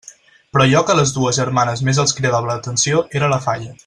Però allò que a les dues germanes més els cridava l'atenció era la falla.